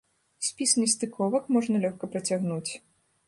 Спіс нестыковак можна лёгка працягнуць.